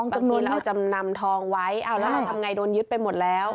บางทีเราจำนำทองไว้แล้วเราทำไงโดนยึดไปหมดแล้ว